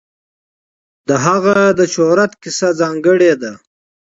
د هغه د شهرت کیسه ځانګړې ده.